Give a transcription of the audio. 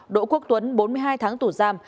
đỗ quốc tuấn bốn mươi hai tháng tủ giam